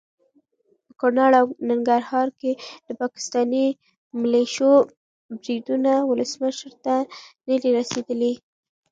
په کنړ او ننګرهار کې د پاکستاني ملیشو بریدونه ولسمشر ته ندي رسېدلي.